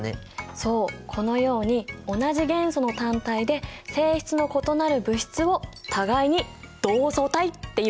そうこのように同じ元素の単体で性質の異なる物質を互いに同素体っていうんだ。